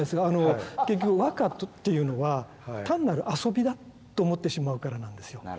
あの結局和歌っていうのは単なる遊びだと思ってしまうからなんですよ。